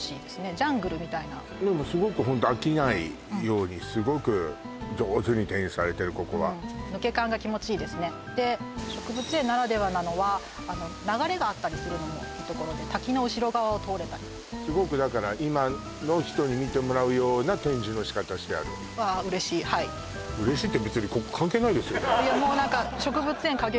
ジャングルみたいなでもすごくホント飽きないようにすごく上手に展示されてるここは抜け感が気持ちいいですねで植物園ならではなのは流れがあったりするのもいいところで滝の後ろ側を通れたりすごくだから今の人に見てもらうような展示の仕方してあるうわー嬉しいはい嬉しいって別にここ関係ないですよね？